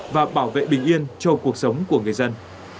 và bảo vệ bình yên cho cuộc sống của người dân